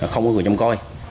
không có người trông coi